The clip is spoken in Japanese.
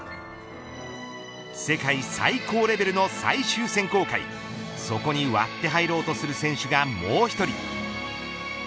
世界最高レベルの最終選考会そこに割って入ろうとする選手がもう１人。